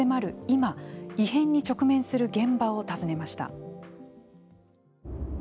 今異変に直面する現場を訪ねました。